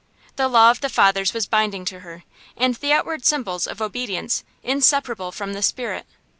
The law of the Fathers was binding to her, and the outward symbols of obedience inseparable from the spirit.